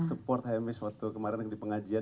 support hamish waktu kemarin di pengajian